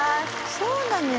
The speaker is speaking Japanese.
そうなのよ